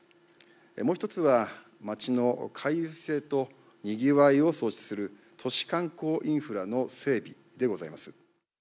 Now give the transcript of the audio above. もう一つは、街の回遊性とにぎわいを創出する都市観光インフラの整備でございます。